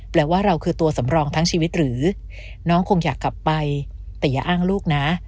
แปลว่าเราคือตัวสำรองทั้งชีวิตหรือน้องคงอยากกลับไปแต่อย่าอ้างลูกนะ